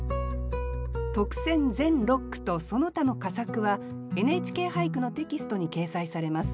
特選全六句とその他の佳作は「ＮＨＫ俳句」のテキストに掲載されます。